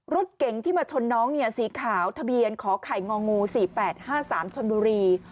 รถเก๋งที่มาชนน้องสีขาวทะเบียนขอไข่งองู๔๘๕๓ชนบุรี